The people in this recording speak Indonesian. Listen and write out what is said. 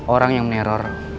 orang yang meneror